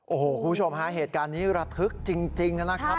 โอ้โหคุณผู้ชมฮะเหตุการณ์นี้ระทึกจริงนะครับ